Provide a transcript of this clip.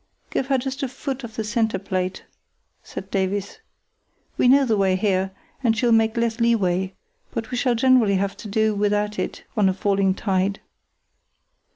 "Give her just a foot of the centre plate," said Davies. "We know the way here, and she'll make less leeway; but we shall generally have to do without it always on a falling tide.